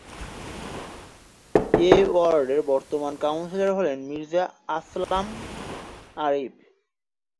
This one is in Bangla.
এ ওয়ার্ডের বর্তমান কাউন্সিলর হলেন মির্জা আসলাম আরিফ।